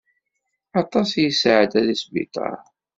Aṭas i yesεedda di sbiṭar.